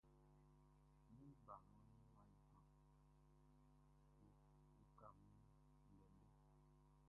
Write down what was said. Min balɔnʼn wʼa jran, uka min ndɛndɛ!